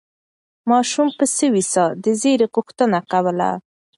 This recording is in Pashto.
ماشوم په سوې ساه د زېري غوښتنه کوله.